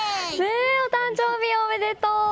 お誕生日おめでとう！